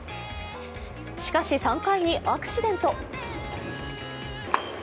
しかし３回にアクシデント。